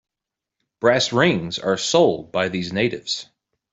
Brass rings are sold by these natives.